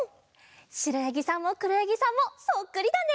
しろやぎさんもくろやぎさんもそっくりだね！